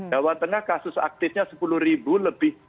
nah waktu itu kasus aktifnya sepuluh ribu lebih